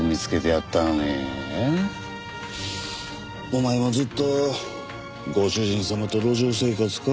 お前もずっとご主人様と路上生活か？